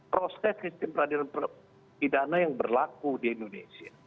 proses sistem peradilan pidana yang berlaku di indonesia